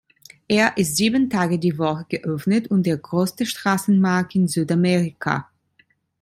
Er ist sieben Tage die Woche geöffnet und der größte Straßenmarkt in Südamerika.